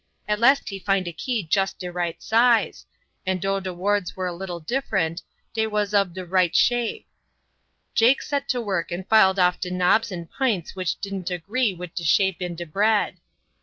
At last he find a key jest de right size, and dough de wards were a little different dey was ob de right shape. Jake set to work and filled off de knobs and p'ints which didn't agree wid de shape in de bread.